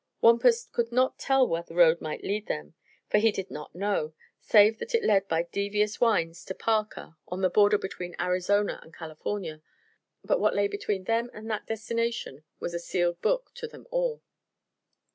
Wampus could not tell where the road might lead them, for he did not know, save that it led by devious winds to Parker, on the border between Arizona and California; but what lay between them and that destination was a sealed book to them all.